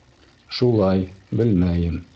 Шулай, белмәйем.